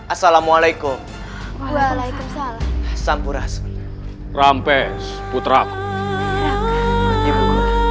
assalamu'alaikum waalaikumsalam sampuras rampes putraku